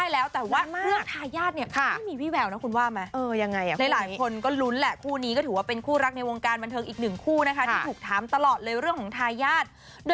แล้วเตรียมมีทายาท